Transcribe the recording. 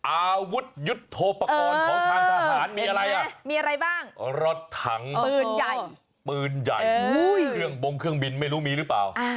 อาวุธยุทธโทปกรณ์ของทางทหารมีอะไรอ่ะมีอะไรบ้างรถถังปืนใหญ่ปืนใหญ่เครื่องบงเครื่องบินไม่รู้มีหรือเปล่า